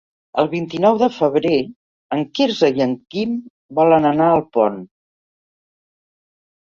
El vint-i-nou de febrer en Quirze i en Guim volen anar a Alpont.